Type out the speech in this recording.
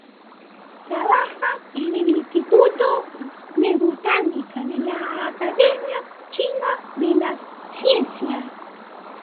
Trabaja en el "Instituto de Botánica", de la Academia China de las Ciencias.